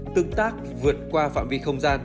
tương tác vượt qua phạm vi không gian